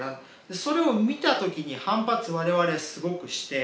それを見た時に反発我々すごくして。